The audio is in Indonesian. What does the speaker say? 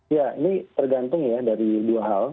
ya ini tergantung ya dari dua hal